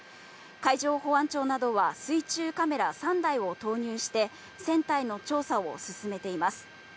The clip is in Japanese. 海上保安庁などは、水中カメラ３台を投入して船体の調査を進めています。